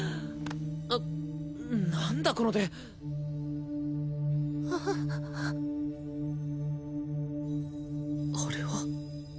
あっ何だこの手あああれは？